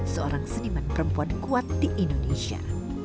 seorang seniman perempuan kuat di indonesia